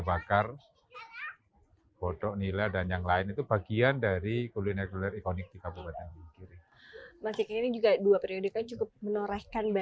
bakar bodoh nila dan yang lain itu bagian dari kuliner ikonik kita buat